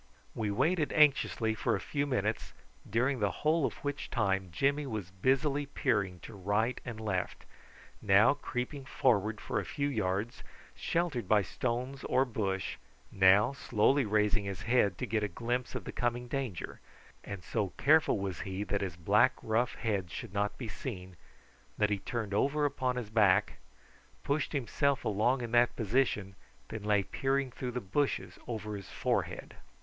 We waited anxiously for a few minutes, during the whole of which time Jimmy was busily peering to right and left, now creeping forward for a few yards, sheltered by stones or bush, now slowly raising his head to get a glimpse of the coming danger; and so careful was he that his black rough head should not be seen, that he turned over upon his back, pushed himself along in that position, and then lay peering through the bushes over his forehead.